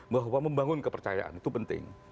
bahwa membangun kepercayaan itu penting